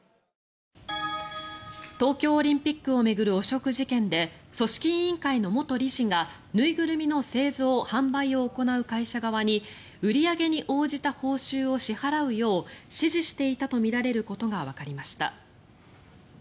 東京オリンピックを巡る汚職事件で組織委員会の元理事が縫いぐるみの製造・販売を行う会社側に売り上げに応じた報酬を支払うよう指示していたとみられることがわかりました。